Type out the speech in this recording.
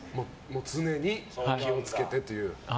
常に気を付けてという。